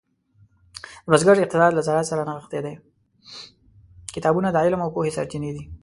کتابونه د علم او پوهې سرچینې دي.